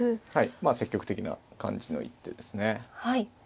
まあ積極的な感じの一手ですね。